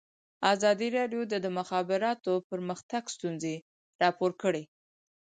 ازادي راډیو د د مخابراتو پرمختګ ستونزې راپور کړي.